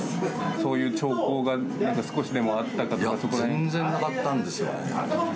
そういう兆候が少しでもあったか、いや全然なかったんですよね。